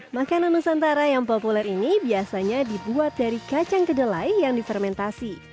makanan nusantara yang populer ini biasanya dibuat dari kacang kedelai yang difermentasi